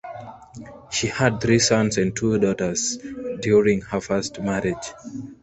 She had three sons and two daughters during her first marriage.